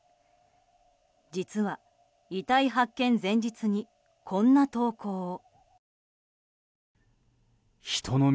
実は、遺体発見前日にこんな投稿を。